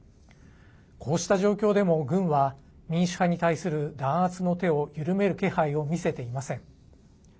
こうした状況でも軍は民主派に対する弾圧の手を緩める気配を見せていません。